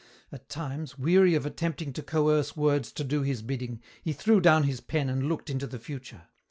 At times, weary of attempting to coerce words to do his bidding, he threw down his pen and looked into the future.